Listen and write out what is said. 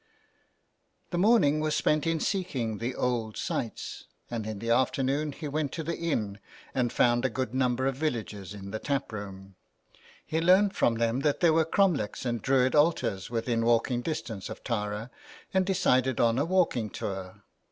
The morning was spent in seeking the old sites, and in the afternoon he went to the inn and found a good number of villagers in the tap room. He learned from them that there were cromlechs and Druid altars within walking distance of Tara, and decided on a walking tour.